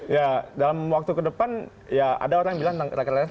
ya dalam waktu kedepan ya ada orang yang bilang tanggal sepuluh itu akan berpengaruh ya